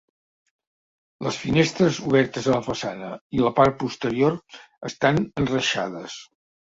Les finestres obertes a la façana i la part posterior estan enreixades.